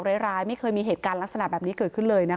ไม่เคยเจอเรื่องราวร้ายไม่เคยมีเหตุการณ์ลักษณะแบบนี้เกิดขึ้นเลยนะคะ